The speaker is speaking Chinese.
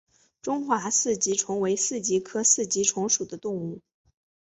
中华四极虫为四极科四极虫属的动物。